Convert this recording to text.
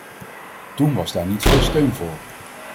Toen was daar niet veel steun voor.